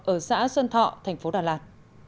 ở xã sơn thọ thành phố đà lạt